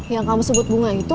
yang kamu sebut bunga itu